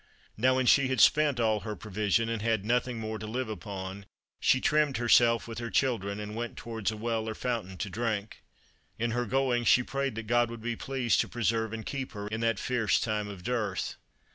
Now, when she had spent all her provision, and had nothing more to live upon, she trimmed herself with her children, and went towards a well or fountain to drink. In her going she prayed that God would be pleased to preserve and keep her in that fierce time of dearth.